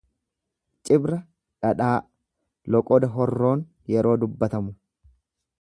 Cibra dhadhaa, loqoda Horroon yeroo dubbatamu.